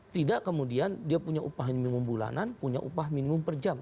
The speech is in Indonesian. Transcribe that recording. tidak kemudian dia punya upah minimum bulanan punya upah minimum per jam